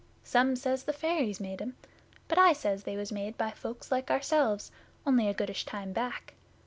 Some says the fairies made 'em, but I says they was made by folks like ourselves only a goodish time back.